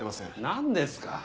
何ですか！